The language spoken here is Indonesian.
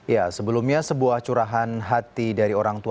ya sebelumnya sebuah curahan hati dari orang tua